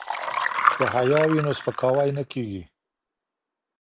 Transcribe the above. که حیا وي نو سپکاوی نه کیږي.